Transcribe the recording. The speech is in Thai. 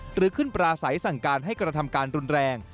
หรือขึ้นปราศัยสั่งการให้กระทำการรุนแรง